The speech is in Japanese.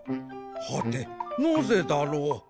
はてなぜだろう？